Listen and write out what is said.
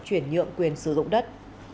chuyển nhượng quyền sử dụng đất